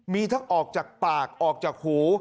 มีทั้งออกจากปากออกจากหู